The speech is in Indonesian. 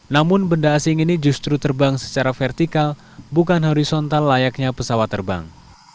namun benda asing ini justru terbang secara vertikal bukan horizontal layaknya pesawat terbang